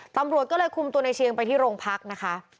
ตำรวจก็เลยคุมตัวในเชียงไปที่โรงพักนะคะ